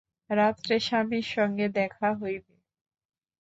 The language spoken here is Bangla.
রাত্রে স্বামীর সঙ্গে দেখা হইবে।